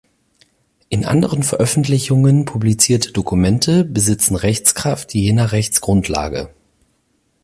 In anderen Veröffentlichungen publizierte Dokumente besitzen Rechtskraft je nach Rechtsgrundlage.